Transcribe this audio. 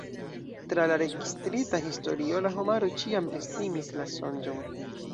Tra la registrita historio, la homaro ĉiam estimis la sonĝon.